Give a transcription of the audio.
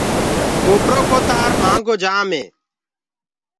ڪوپرو ڪو تآر مآهنگو جآم هي۔